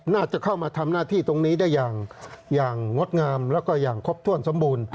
น่าจะเข้ามาทำหน้าที่ตรงนี้ได้อย่างงดงามแล้วก็อย่างครบถ้วนสมบูรณ์